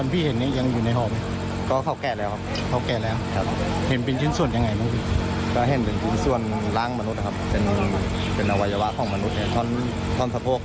เป็นอวัยวะของมนุษย์เนี่ยตอนสะโพกครับ